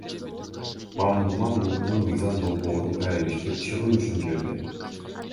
Мамдума бул мыйзам долбоорун кайра иштеп чыгуу үчүн жиберген.